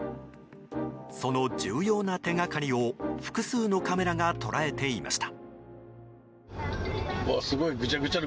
その重要な手掛かりを複数のカメラが捉えていました。